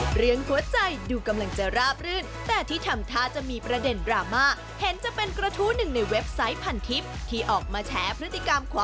ปรึกษาอะไรไม่ว่ากันอีกทีแล้วกันล่ะ